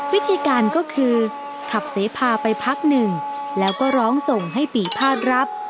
วิธีการก็คือขับเสพาไปพักหนึ่งแล้วก็ร้องส่งให้ปีภาษรับ